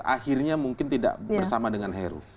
akhirnya mungkin tidak bersama dengan heru